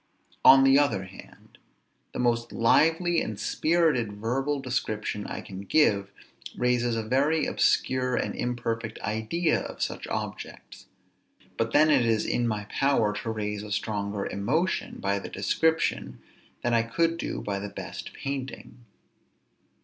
On the other hand, the most lively and spirited verbal description I can give raises a very obscure and imperfect idea of such objects; but then it is in my power to raise a stronger emotion by the description than I could do by the best painting.